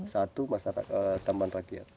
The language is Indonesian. satu tambang rakyat